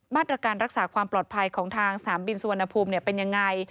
มาตรการรักษาความปลอดภัยของทางสนามบินสุวรรณภูมิเป็นยังไง